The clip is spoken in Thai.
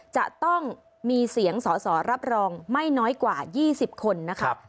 จะต้องมีเสียงสอสอรับรองไม่น้อยกว่า๒๐คนนะครับ